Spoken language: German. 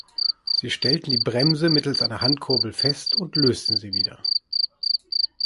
Sie stellten die Bremse mittels einer Handkurbel fest und lösten sie wieder.